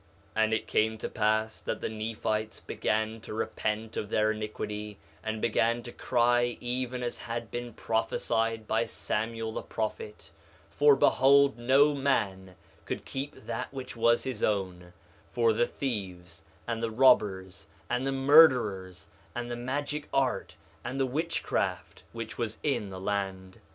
2:10 And it came to pass that the Nephites began to repent of their iniquity, and began to cry even as had been prophesied by Samuel the prophet; for behold no man could keep that which was his own, for the thieves, and the robbers, and the murderers, and the magic art, and the witchcraft which was in the land.